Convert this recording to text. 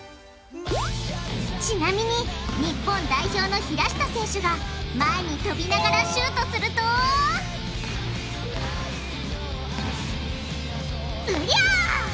ちなみに日本代表の平下選手が前にとびながらシュートするとうりゃ！